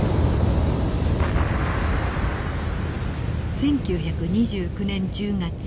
１９２９年１０月。